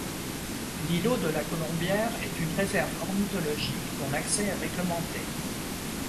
L'îlot de la Colombière est une réserve ornithologique dont l'accès est réglementé.